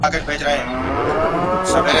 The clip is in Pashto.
د پښتو ژبي په کلاسیک ادب کي یې !.